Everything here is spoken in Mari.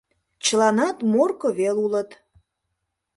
Чыланат Морко вел улыт.